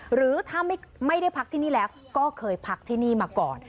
หรือถ้าไม่ได้พักที่นี่แล้วก็เคยพักที่นี่มาก่อน